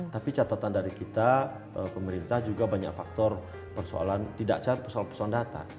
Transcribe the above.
tapi catatan dari kita pemerintah juga banyak faktor persoalan tidak secara persoalan persoalan data